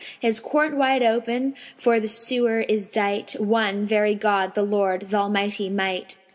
His court wide open for the suer is dight:— One, very God, the Lord, th' Almighty might.'"